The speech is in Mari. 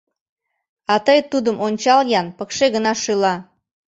А тый тудым ончал-ян: пыкше гына шӱла.